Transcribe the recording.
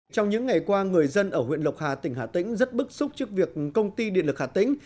trong những ngày qua người dân ở huyện lộc hà tỉnh hà tĩnh rất bức xúc trước việc công ty điện lực hà tĩnh